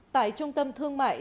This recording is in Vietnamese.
tại trung tâm thương mại